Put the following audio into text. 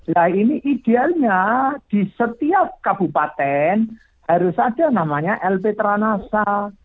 nah ini idealnya di setiap kabupaten harus ada namanya lp teranasa